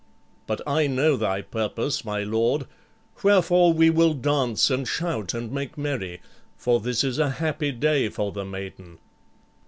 But I know thy purpose, my lord; wherefore we will dance and shout and make merry, for this is a happy day for the maiden."